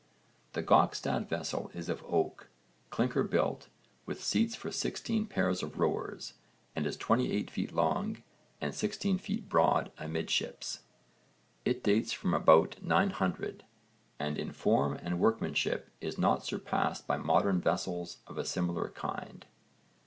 The Gokstad vessel is of oak, clinker built, with seats for sixteen pairs of rowers, and is 28 ft. long and 16 ft. broad amidships. It dates from about 900, and in form and workmanship is not surpassed by modern vessels of a similar kind.